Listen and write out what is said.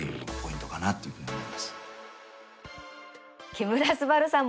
木村昴さん